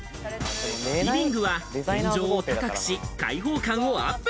リビングは天井を高くし、開放感をアップ。